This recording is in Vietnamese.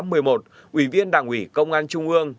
ủy viên đảng ủy công an trung ương